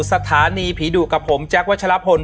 สถานีผีดุกับผมแจ๊ควัชลพล